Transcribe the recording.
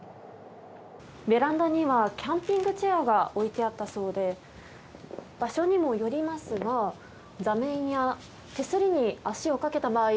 ベランダにはキャンピングチェアが置いてあったそうで場所にもよりますが座面や手すりに足をかけた場合